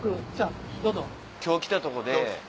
今日来たとこで。